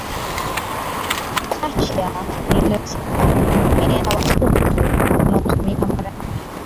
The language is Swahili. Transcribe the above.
Acacia nilotica ni mmea wa supu unaotumika mara nyingi